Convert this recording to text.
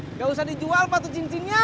nggak usah dijual batu cincinnya